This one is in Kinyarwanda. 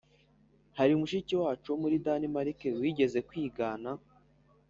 Hari mushiki wacu wo muri Danimarike wigeze kwigana